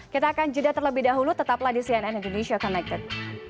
kita akan jeda terlebih dahulu tetaplah di cnn indonesia connected